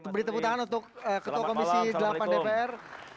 beri tepuk tangan untuk ketua komisi delapan dpr